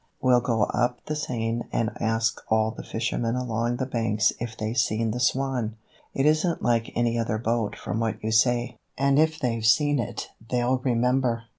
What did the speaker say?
"We'll go up the Seine and ask all the fishermen along the banks if they've seen the Swan. It isn't like any other boat from what you say, and if they've seen it they'll remember."